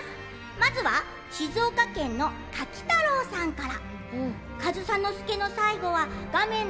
まずは静岡県のかきたろうさんから。